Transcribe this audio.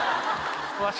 わし。